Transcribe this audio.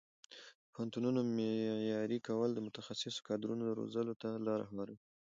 د پوهنتونونو معیاري کول د متخصصو کادرونو روزلو ته لاره هواروي.